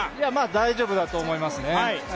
大丈夫だと思いますね。